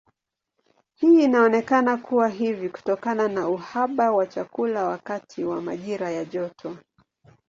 Hii inaonekana kuwa hivi kutokana na uhaba wa chakula wakati wa majira ya joto.